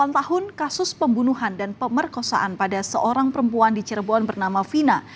delapan tahun kasus pembunuhan dan pemerkosaan pada seorang perempuan di cirebon bernama vina